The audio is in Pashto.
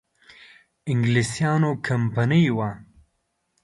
انګلیسیانو کمپنی وه.